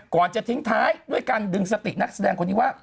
ก่อนจะทิ้งท้ายด้วยการดึงสตินักแสดงคนนี้ว่า